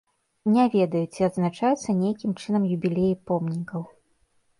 Не ведаю, ці адзначаюцца нейкім чынам юбілеі помнікаў.